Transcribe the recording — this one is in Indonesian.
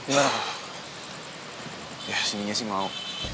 nah ya cindy nya sih mau